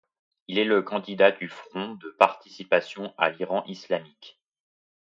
Il est le candidat du Front de participation à l'Iran islamique.